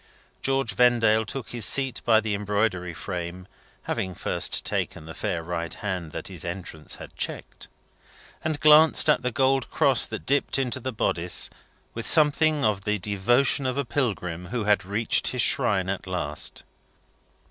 George Vendale took his seat by the embroidery frame (having first taken the fair right hand that his entrance had checked), and glanced at the gold cross that dipped into the bodice, with something of the devotion of a pilgrim who had reached his shrine at last.